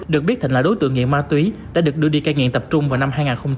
được biết thịnh là đối tượng nghiện ma túy đã được đưa đi cai nghiện tập trung vào năm hai nghìn một mươi